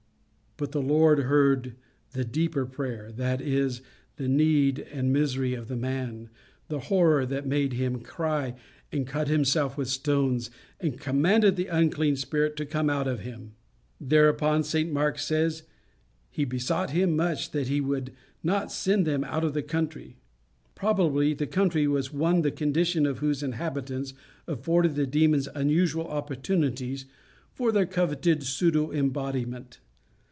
But the Lord heard the deeper prayer, that is, the need and misery of the man, the horror that made him cry and cut himself with stones and commanded the unclean spirit to come out of him. Thereupon, St Mark says, "he besought him much that he would not send them out of the country." Probably the country was one the condition of whose inhabitants afforded the demons unusual opportunities for their coveted pseudo embodiment.